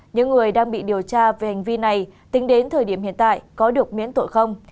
những người đang bị điều tra về hành vi này tính đến thời điểm hiện tại có được miễn tội không